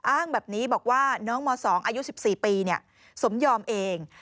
อ้างแบบนี้บอกว่าน้องม๒อายุ๑๔ปีสมยอมเอง